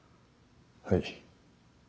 はい。